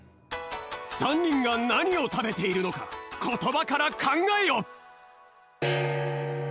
３にんがなにをたべているのかことばからかんがえよ！